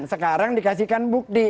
sekarang dikasihkan bukti